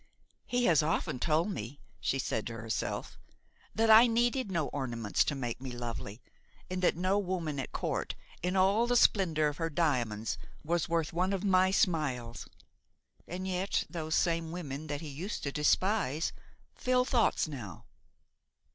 "He has often told me," she said to herself, "that I needed no ornaments to make me lovely, and that no woman at court, in all the splendor of her diamonds, was worth one of my smiles. And yet those same women that he used to despise fill thoughts now.